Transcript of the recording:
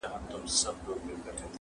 ډېري مو وکړې د تاریخ او د ننګونو کیسې-